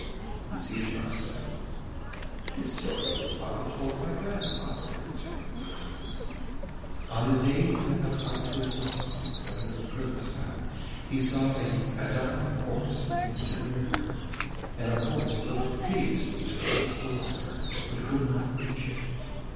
And Seejar said: 'This story his father told my grandfather concerning Welleran. On the day that the fight was lost on the plains of Kurlistan he saw a dying horse near to the river, and the horse looked piteously towards the water but could not reach it.